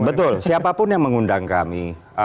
betul siapapun yang mengundang kami